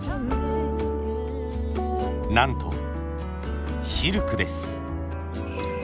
なんとシルクです。